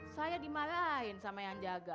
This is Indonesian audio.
saya dimarahin sama yang jaga